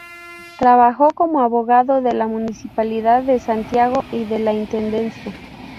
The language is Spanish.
Trabajó como abogado de la Municipalidad de Santiago y de la Intendencia.